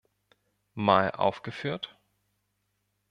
Mal aufgeführt.